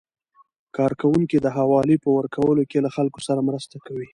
کارکوونکي د حوالې په ورکولو کې له خلکو سره مرسته کوي.